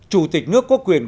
chủ tịch nước có quyền